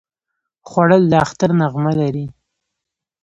خوړل د اختر نغمه لري